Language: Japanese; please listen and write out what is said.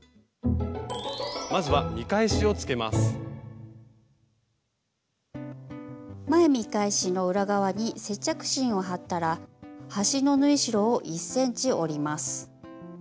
まずは前見返しの裏側に接着芯を貼ったら端の縫い代を１ｃｍ折ります。